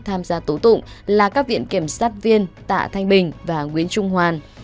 tham gia tố tụng là các viện kiểm sát viên tạ thanh bình và nguyễn trung hoàn